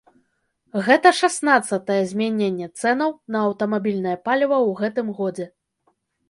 Гэта шаснаццатае змяненне цэнаў на аўтамабільнае паліва ў гэтым годзе.